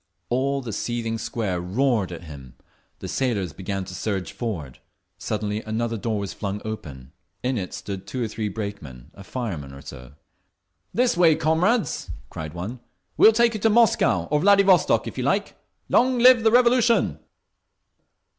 All the seething Square roared at him; the sailors began to surge forward. Suddenly another door was flung wide; in it stood two or three brakeman, a fireman or so. "This way, comrades!" cried one. "We will take you to Moscow—or Vladivostok, if you like! Long live the Revolution!"